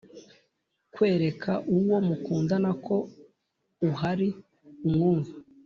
kwereka uwo mukundana ko uhari umwumva,